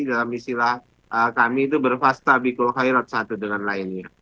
dalam istilah kami itu berpasta bikul khairat satu dengan lainnya